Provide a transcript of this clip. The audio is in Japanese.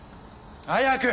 早く！